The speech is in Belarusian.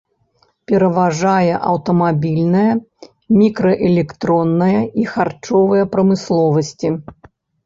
Пераважае аўтамабільная, мікраэлектронная і харчовая прамысловасці.